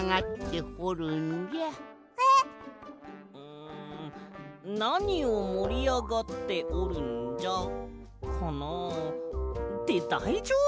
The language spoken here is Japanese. ん「なにをもりあがっておるんじゃ」かなあ？ってだいじょうぶ？